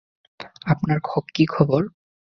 আপনার কি খবর?